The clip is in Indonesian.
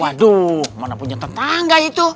waduh mana punya tetangga itu